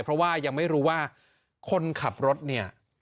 เพราะว่ายังไม่รู้ว่าคนขับรถเนี่ย